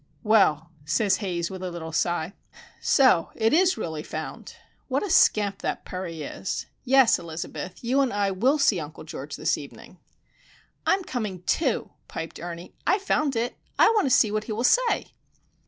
"Well," says Haze, with a little sigh. "So it is really found! What a scamp that Perry is! Yes, Elizabeth, you and I will see Uncle George this evening." "I'm coming, too," piped Ernie. "I found it! I want to see what he will say!"